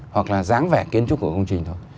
hoặc là dáng vẻ kiến trúc của công trình thôi